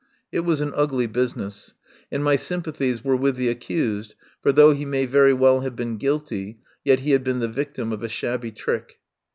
It was an ugly business, and my sympathies were with the accused, for though he may very well have been guilty, yet he had been the victim of a shabby trick.